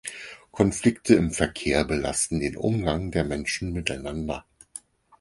Konflikte im Verkehr belasten den Umgang der Menschen miteinander.